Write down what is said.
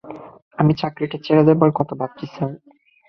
আমি চাকরিটা ছেড়ে দেবার কথা ভাবছি, স্যার।